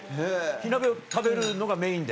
火鍋を食べるのがメインで？